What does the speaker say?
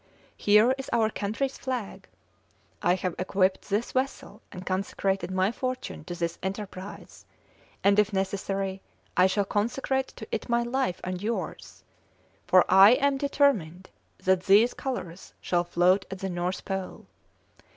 Here is our country's flag. I have equipped this vessel, and consecrated my fortune to this enterprise, and, if necessary, I shall consecrate to it my life and yours; for I am determined that these colours shall float on the North Pole.